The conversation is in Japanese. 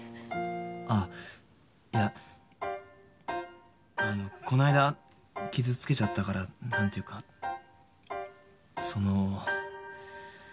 あっいやこの間傷つけちゃったからなんていうかその。